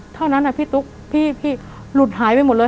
เท่านั้นพี่ตุ๊กพี่หลุดหายไปหมดเลย